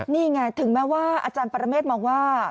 นี่ไงถึงแม้ว่าอาจารย์ปรเมฆมองว่า